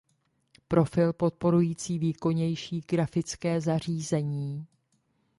Profil podporující výkonnější grafická zařízení.